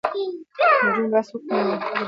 که نجونې بحث وکړي نو منطق به نه وي کمزوری.